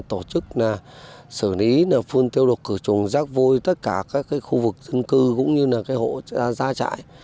tổ chức xử lý phun tiêu độc khử trùng rác vôi tất cả các khu vực dân cư cũng như hộ gia trại